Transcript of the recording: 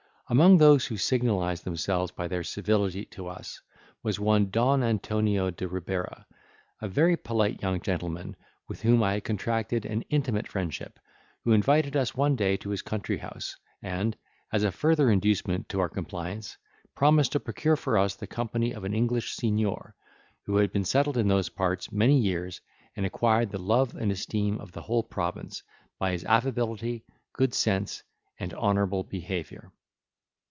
Among those who signalised themselves by their civility to us, was one Don Antonio de Ribera, a very polite young gentleman, with whom I had contracted an intimate friendship, who invited us one day to his country house, and, as a further inducement to our compliance, promised to procure for us the company of an English Signor, who had been settled in those parts many years and acquired the love and esteem of the whole province by his affability, good sense, and honourable behaviour.